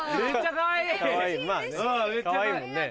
かわいいもんね。